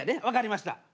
分かりました。